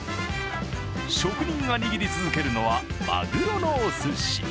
職人が握り続けのはまぐろのおすし。